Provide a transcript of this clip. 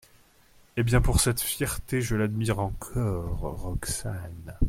Eh bien, pour cette fierté, je l'admire encore ! ROXANE.